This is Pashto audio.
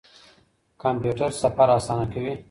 کمپيوټر سفر آسانه کوي.